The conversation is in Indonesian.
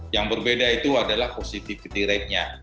yang berbeda itu adalah positivity ratenya